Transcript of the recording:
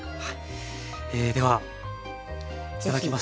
ではいただきます。